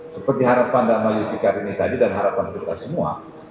seperti harapan dama yudikarini tadi dan harapan kita semua